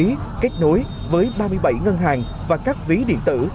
ký kết nối với ba mươi bảy ngân hàng và các ví điện tử